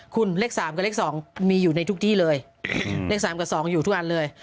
คุณเลข๓กับเลข๒มีอยู่ในทุกที่เลยเลข๓กับ๒อยู่ทุกอันเลย